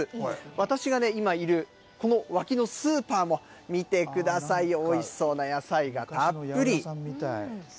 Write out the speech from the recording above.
私がね、今いるこの脇のスーパーも見てくださいよ、おいしそうな野菜がたっぷり。